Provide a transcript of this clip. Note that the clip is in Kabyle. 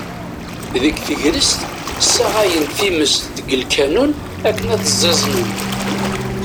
Deg tegrest, ssaɣayen times deg lkanun akken ad ẓẓiẓnen.